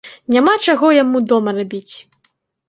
Няма чаго яму дома рабіць.